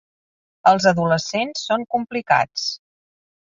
Els adolescents són complicats.